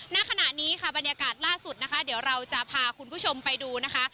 ณขณะนี้ค่ะบรรยากาศล่าสุดนะคะเดี๋ยวเราจะพาคุณผู้ชมไปดูนะคะ